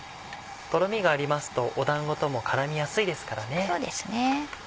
とろみがありますとだんごとも絡みやすいですからね。